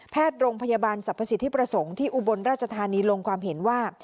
โรงพยาบาลสรรพสิทธิประสงค์ที่อุบลราชธานีลงความเห็นว่า